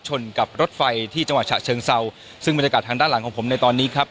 ชนกับรถไฟที่จังหวัดฉะเชิงเซาซึ่งบรรยากาศทางด้านหลังของผมในตอนนี้ครับ